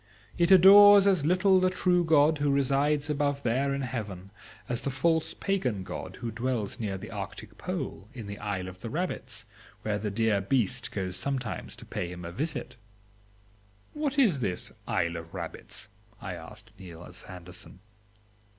It adores as little the true God who resides above there in heaven, as the false pagan god who dwells near the arctic pole, in the Isle of the Rabbits, where the dear beast goes sometimes to pay him a visit. "What is this Isle of Rabbits?" I asked Niels Andersen.